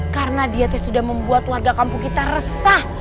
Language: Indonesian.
karena dia teh sudah membuat warga kampung kita resah